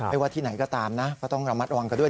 ว่าที่ไหนก็ตามนะก็ต้องระมัดระวังกันด้วย